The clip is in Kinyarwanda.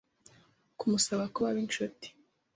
kumusaba ko baba inshuti,